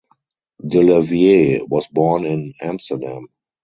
De Levie was born in Amsterdam.